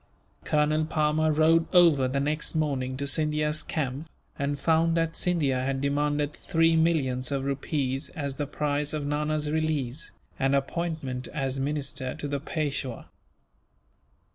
Colonel Palmer rode over the next morning to Scindia's camp, and found that Scindia had demanded three millions of rupees as the price of Nana's release, and appointment as minister to the Peishwa.